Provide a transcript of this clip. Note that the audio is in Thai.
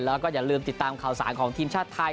แล้วก็อย่าลืมติดตามข่าวสารของทีมชาติไทย